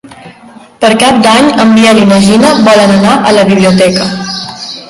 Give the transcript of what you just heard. Per Cap d'Any en Biel i na Gina volen anar a la biblioteca.